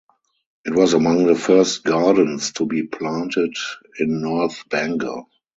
It was among the first gardens to be planted in North Bengal.